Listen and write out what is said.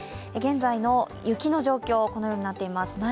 現在の雪の状況、このようになっています。